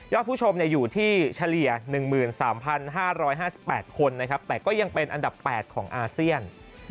ผู้ชมอยู่ที่เฉลี่ย๑๓๕๕๘คนนะครับแต่ก็ยังเป็นอันดับ๘ของอาเซียน